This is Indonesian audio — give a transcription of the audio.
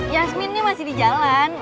yasminnya masih di jalan